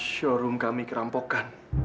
showroom kami kerampokan